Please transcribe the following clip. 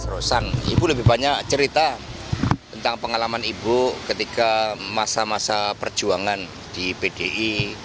rosan ibu lebih banyak cerita tentang pengalaman ibu ketika masa masa perjuangan di pdi